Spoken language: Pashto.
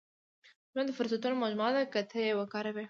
• ژوند د فرصتونو مجموعه ده، که ته یې وکاروې.